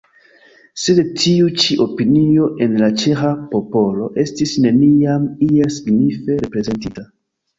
Sed tiu ĉi opinio en la ĉeĥa popolo estis neniam iel signife reprezentita.